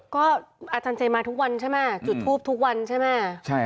ก็อาจารย์เจมาทุกวันใช่ไหมจุดทูปทุกวันใช่ไหม